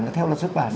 nó theo luật xuất bản